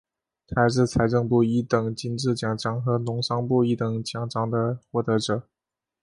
他还是财政部一等金质奖章和农商部一等奖章的获得者。